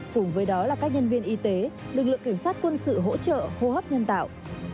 cùng với đó là các nhân viên y tế lực lượng cảnh sát quân sự hỗ trợ hô hấp nhân tạo